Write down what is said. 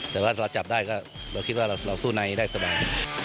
แต่ว่าเราจับได้ก็เราคิดว่าเราสู้ในได้สบาย